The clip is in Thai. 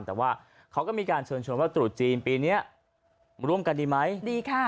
แต่ว่าเขาก็มีการเชิญชวนว่าตรุษจีนปีนี้ร่วมกันดีไหมดีค่ะ